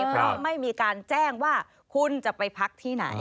เพราะไม่มีการแจ้งว่าคุณจะไปพักที่ไหน